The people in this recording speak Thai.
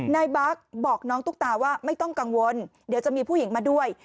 นายบั๊กบอกน้องตุ๊กตาว่าไม่ต้องกังวลเดี๋ยวจะมีผู้หญิงมาด้วย